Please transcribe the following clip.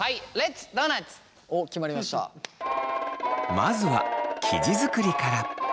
まずは生地作りから。